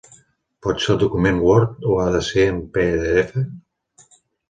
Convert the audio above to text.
Pot ser el document word o ha de ser en pe de efa?